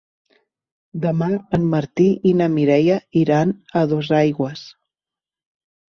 Demà en Martí i na Mireia iran a Dosaigües.